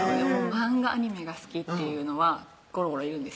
マンガ・アニメが好きっていうのはゴロゴロいるんですよ